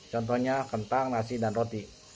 contohnya kentang nasi dan roti